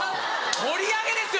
盛り上げですよ